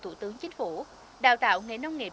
thủ tướng chính phủ đào tạo nghề nông nghiệp